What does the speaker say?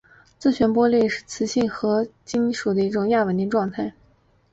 自旋玻璃是磁性合金材料的一种亚稳定的状态。